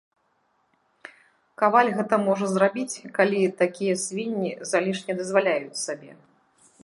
Каваль гэта можа зрабіць, калі такія свінні залішне дазваляюць сабе.